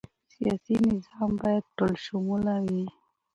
سیاسي نظام باید ټولشموله وي